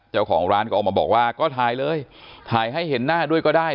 เจ้าของร้านก็ออกมาบอกว่าก็ถ่ายเลยถ่ายให้เห็นหน้าด้วยก็ได้